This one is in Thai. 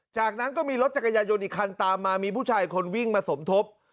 จากนั้นก็มีรถจักรยายนอีกคันตามมามีผู้ชายคนวิ่งมาสมทบ